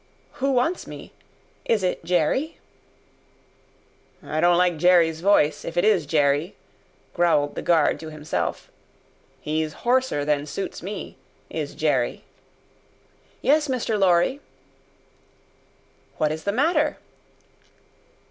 "Who wants me? Is it Jerry?" ("I don't like Jerry's voice, if it is Jerry," growled the guard to himself. "He's hoarser than suits me, is Jerry.") "Yes, Mr. Lorry." "What is the matter?"